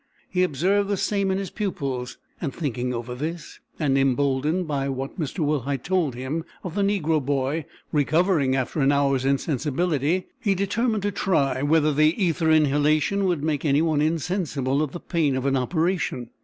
He observed the same in his pupils; and thinking over this, and emboldened by what Mr. Wilhite told him of the negro boy recovering after an hour's insensibility, he determined to try whether the ether inhalation would make any one insensible of the pain of an operation.